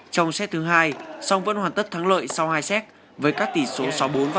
trong set thứ hai xong vẫn hoàn tất thắng lợi sau hai set với các tỷ số sáu mươi bốn và bảy mươi sáu